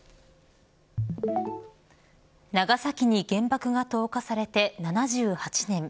長崎に原爆が投下されて７８年。